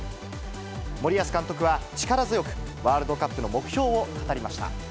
森保監督は、力強くワールドカップの目標を語りました。